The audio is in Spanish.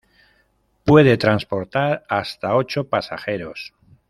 Puede transportar hasta ocho pasajeros.